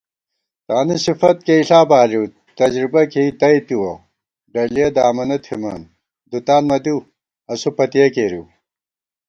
تانُو صفت کېئیݪا بالِیؤ، تجربہ کېئی تَئیتِوَہ * ڈلِیَہ دامَنہ تھِمان دُتان مہ دِیؤ، اسُو پَتِیَہ کېرِیؤ